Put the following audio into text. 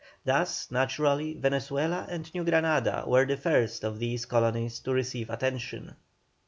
Thus, naturally, Venezuela and New Granada were the first of these colonies to receive attention.